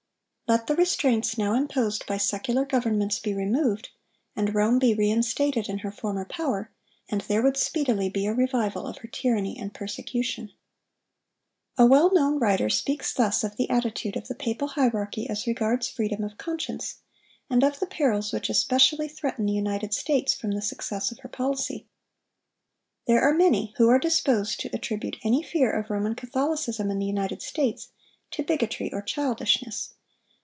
Let the restraints now imposed by secular governments be removed, and Rome be re instated in her former power, and there would speedily be a revival of her tyranny and persecution. A well known writer speaks thus of the attitude of the papal hierarchy as regards freedom of conscience, and of the perils which especially threaten the United States from the success of her policy: "There are many who are disposed to attribute any fear of Roman Catholicism in the United States to bigotry or childishness.